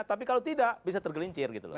tapi kalau tidak bisa tergelincir